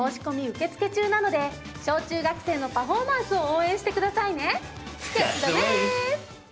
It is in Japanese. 受け付け中なので小・中学生のパフォーマンスを応援してくださいね！